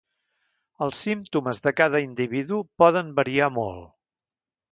Els símptomes de cada individu poden variar molt.